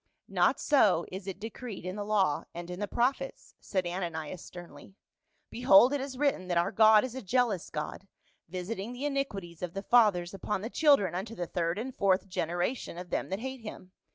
" Not so is it decreed in the law and in the prophets," said Ananias sternly. " Behold it is written that our God is a jealous God, visiting the iniquities of the fathers upon the children unto the third and fourth generation of them that hate him.